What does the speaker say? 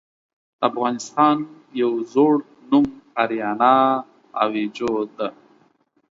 د افغانستان يو ﺯوړ نوم آريانا آويجو ده .